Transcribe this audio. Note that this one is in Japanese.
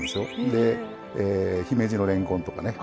で姫路のれんこんとかね。